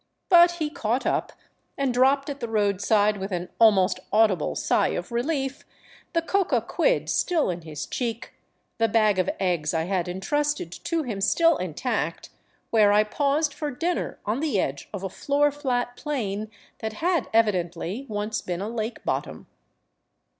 But he caught up, and dropped at the roadside with an almost audible sigh of relief, the coca quid still in his cheek, the bag of eggs I had entrusted to him still intact, where I paused for dinner on the edge of a floor flat plain that had evidently once been a lake bottom.